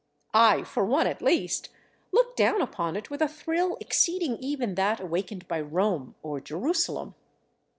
I, for one at least, looked down upon it with a thrill exceeding even that awakened by Rome or Jerusalem.